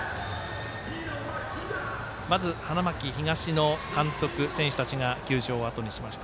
まず、花巻東の監督、選手たちが球場をあとにしました。